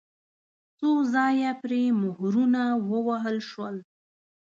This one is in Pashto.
څو ځایه پرې مهرونه ووهل شول.